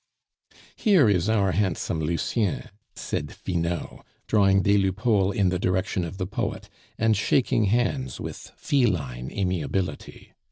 "Here is our handsome Lucien," said Finot, drawing des Lupeaulx in the direction of the poet, and shaking hands with feline amiability.